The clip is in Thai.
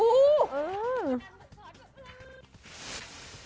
อืม